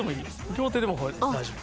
両手でも大丈夫。